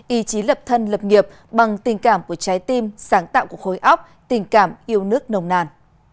ý chí lập thân lập nghiệp bằng tình cảm của trái tim sáng tạo của khối óc tình cảm yêu nước nồng nàn